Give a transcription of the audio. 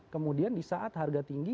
kemudian di saat harga tinggi